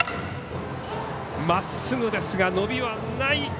まっすぐですが伸びはない。